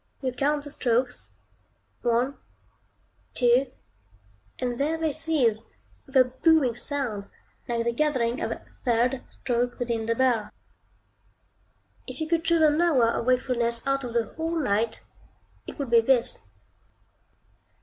You count the strokes one two, and there they cease, with a booming sound, like the gathering of a third stroke within the bell. If you could choose an hour of wakefulness out of the whole night, it would be this.